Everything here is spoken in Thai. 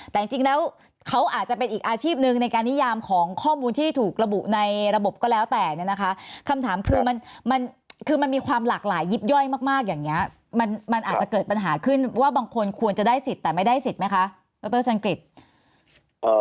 แต่จริงจริงแล้วเขาอาจจะเป็นอีกอาชีพหนึ่งในการนิยามของข้อมูลที่ถูกระบุในระบบก็แล้วแต่เนี่ยนะคะคำถามคือมันมันคือมันมีความหลากหลายยิบย่อยมากมากอย่างเงี้ยมันมันอาจจะเกิดปัญหาขึ้นว่าบางคนควรจะได้สิทธิ์แต่ไม่ได้สิทธิ์ไหมคะดรชังกฤษเอ่อ